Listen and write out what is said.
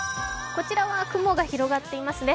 こちらは雲が広がっていますね。